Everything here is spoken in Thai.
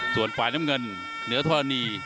ส่วนฝ่ายน้ำเงินเหนือธรณี